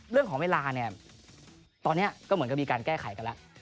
เรื่องของเวลาเนี่ยตอนนี้ก็เหมือนกับมีการแก้ไขกันแล้ว